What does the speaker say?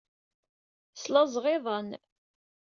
Slaẓeɣ iḍan.